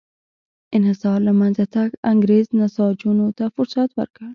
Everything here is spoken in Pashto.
انحصار له منځه تګ انګرېز نساجانو ته فرصت ورکړ.